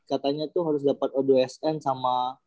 katanya tuh harus dapet o dua sn sama